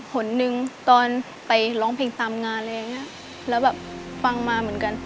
คนหนึ่งตอนไปร้องเพลงตามงานอะไรอย่างเงี้ยแล้วแบบฟังมาเหมือนกัน